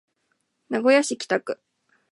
名古屋市北区